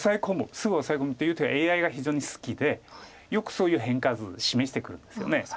すぐオサエ込みっていう手はＡＩが非常に好きでよくそういう変化図示してくるんですよね。